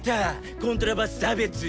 コントラバス差別！